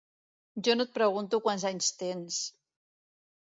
Jo no et pregunto quants anys tens...